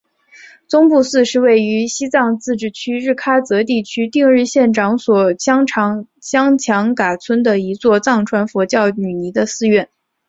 宗布寺是位于西藏自治区日喀则地区定日县长所乡强噶村的一座藏传佛教女尼的寺院。